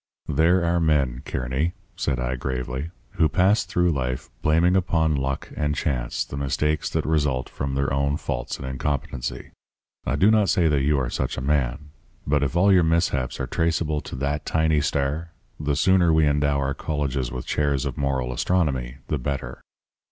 "'There are men, Kearny,' said I gravely, 'who pass through life blaming upon luck and chance the mistakes that result from their own faults and incompetency. I do not say that you are such a man. But if all your mishaps are traceable to that tiny star, the sooner we endow our colleges with chairs of moral astronomy, the better.'